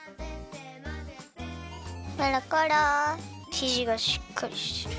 きじがしっかりしてる。